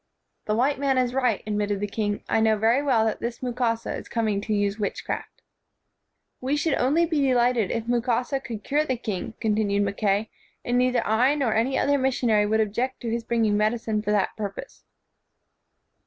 "The white man is right," admitted the king. "I know very well that this Mukasa is coming to use witchcraft." "We should only be delighted if Mukasa could cure the king," continued Mackay, "and neither I nor any other missionary would object to his bringing medicine for that purpose."